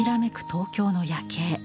東京の夜景。